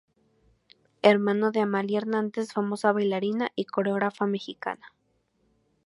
Hermano de Amalia Hernández famosa bailarina y coreógrafa mexicana.